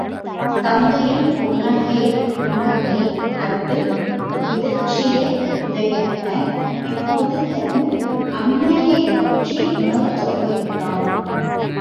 தத்தையின் பொன்னகையிற் புன்னகை கண்டு பிதற்றிய உதயணன், இப்போது தன் ஆண்மையைப் பற்றி உணரத் தொடங்கிவிட்டான்.